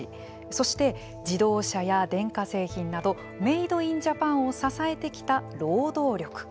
そして、自動車や電化製品などメード・イン・ジャパンを支えてきた労働力。